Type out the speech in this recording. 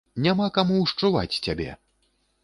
Няма каму ўшчуваць цябе!